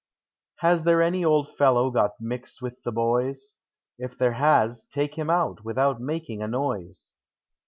Has there anv old fellow sot mixed with the bovs? If there has, take him out, without making a noise.